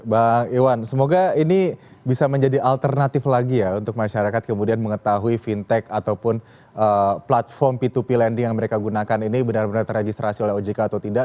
bang iwan semoga ini bisa menjadi alternatif lagi ya untuk masyarakat kemudian mengetahui fintech ataupun platform p dua p lending yang mereka gunakan ini benar benar teregistrasi oleh ojk atau tidak